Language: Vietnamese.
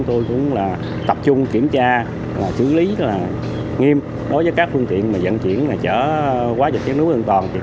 tôi cũng tập trung kiểm tra xử lý nghiêm đối với các phương tiện dẫn chuyển chở quá dịch chết núi an toàn